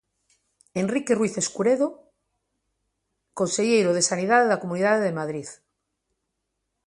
Enrique Ruiz Escudero, conselleiro de Sanidade da Comunidade de Madrid.